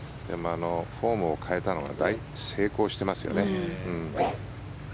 フォームを変えたのが成功してますよね。